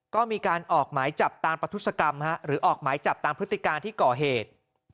ก็มีการออกหมายจับตามประทุศกรรมหรือออกหมายจับตามพฤติการที่ก่อเหตุ